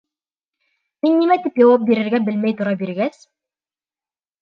Мин нимә тип яуап бирергә белмәй тора биргәс: